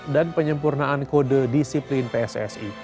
dan penyempurnaan kode disiplin pssi